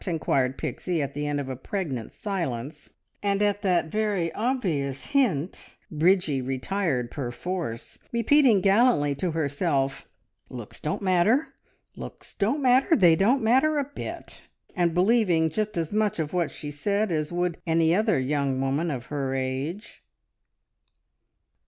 inquired Pixie at the end of a pregnant silence, and at that very obvious hint Bridgie retired perforce, repeating gallantly to herself, "Looks don't matter! Looks don't matter! They don't matter a bit!" and believing just as much of what she said as would any other young woman of her age.